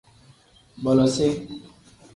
Bolosiv.